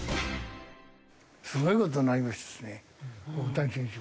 すごい事になりましたね大谷選手。